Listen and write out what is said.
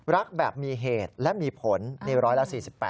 รักแบบมีเหตุและมีผลนี่ร้อยละ๔๘